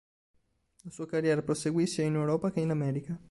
La sua carriera proseguì sia in Europa che in America.